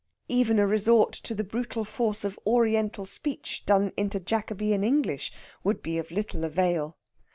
Even a resort to the brutal force of Oriental speech done into Jacobean English would be of little avail.